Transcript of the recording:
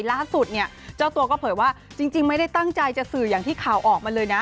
ล่าสุดเนี่ยเจ้าตัวก็เผยว่าจริงไม่ได้ตั้งใจจะสื่ออย่างที่ข่าวออกมาเลยนะ